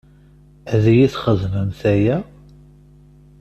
Ad iyi-txedmemt aya?